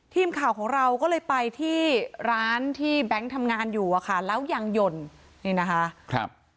ทีมข่าวของเราก็เลยไปที่ร้านที่แบงค์ทำงานอยู่อะค่ะแล้วยังหย่นนี่นะคะครับ